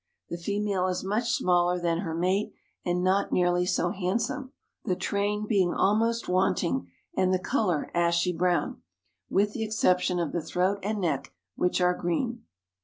The female is much smaller than her mate and not nearly so handsome, the train being almost wanting, and the color ashy brown, with the exception of the throat and neck, which are green.